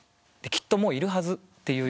きっともういるはず。